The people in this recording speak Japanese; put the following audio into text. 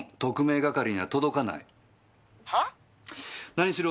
何しろ